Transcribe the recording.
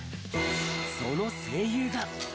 その声優が。